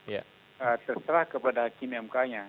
seserah kepada kinemkanya